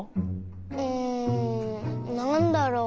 うんなんだろう？